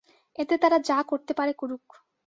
এতে তারা যা করতে পারে করুক।